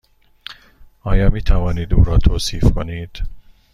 آیا می توانید او را توصیف کنید؟